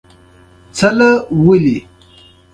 جګړه د عاطفې وینه وچوي